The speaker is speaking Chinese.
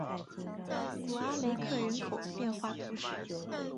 古阿雷克人口变化图示